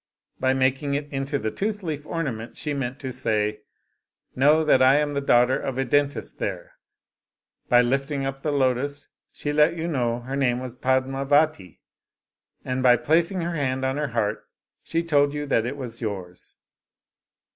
By making it into the tooth leaf ornament she meant to say, ' Know that I am the daughter of a dentist there/ By lifting up the lotus she let you know her name was Padmavati ; and by placing her hand on her heart she told you that it was yours.